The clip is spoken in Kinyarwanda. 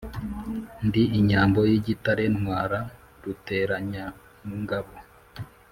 ndi inyambo y'igitare ntwara ruteranyangabo